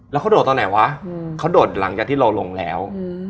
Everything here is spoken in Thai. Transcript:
แล้วเขาโดดตอนไหนวะเขาโดดหลังจากที่เราลงแล้ว